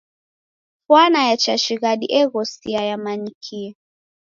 Fwana ya chashighadi eghosia yamanyikie.